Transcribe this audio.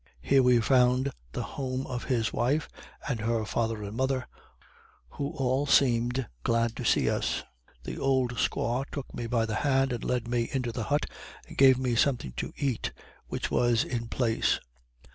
Here we found the home of his wife, and her father and mother, who all seemed glad to see us. The old squaw took me by the hand and led me into the hut, and gave me something to eat, which was in place.